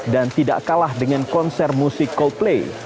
dan tidak kalah dengan konser musik coldplay